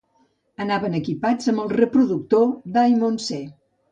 Anaven equipats amb el reproductor Diamond C.